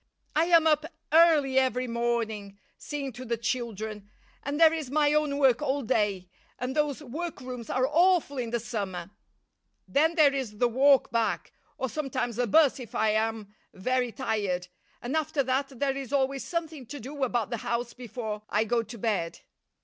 I am up early every morning seeing to the children, and there is my own work all day, and those workrooms are awful in the summer; then there is the walk back, or sometimes a 'bus if I am very tired, and after that there is always something to do about the house before I go to bed."